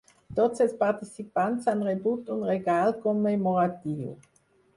Tots els participants han rebut un regal commemoratiu.